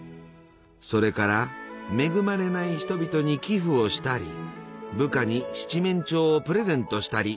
それから恵まれない人々に寄付をしたり部下に七面鳥をプレゼントしたり。